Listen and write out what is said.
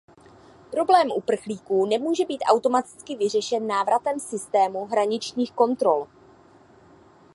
Problém uprchlíků nemůže být automaticky vyřešen návratem systému hraničních kontrol.